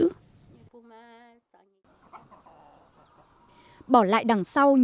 bỏ lại đằng sau những lời động viên chân thành